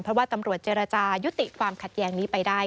เพราะว่าตำรวจเจรจายุติความขัดแย้งนี้ไปได้